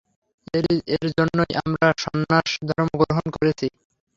এর জন্যই আমরা সন্ন্যাসধর্ম গ্রহণ করেছি!